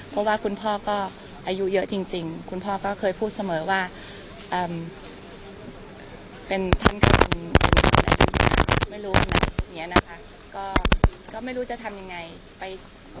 เพราะว่าคุณพ่อก็อายุเยอะจริงคุณพ่อก็เคยพูดเสมอว่าเป็นท่านขึ้นไม่รู้จะทำยังไง